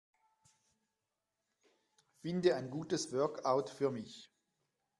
Finde ein gutes Workout für mich.